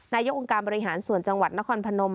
นายกองค์การบริหารส่วนจังหวัดนครพนม